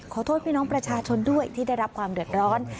ขอโทษพี่น้องประชาชนด้วยที่ได้รับความเดือดร้อน